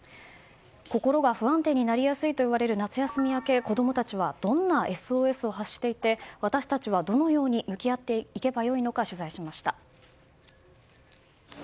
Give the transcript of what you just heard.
心が不安定になりやすいといわれる夏休み明け、子供たちはどんなＳＯＳを発していて私たちはどのように向き合っていけばよいのか取材しました。